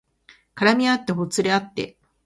絡みあってほつれあって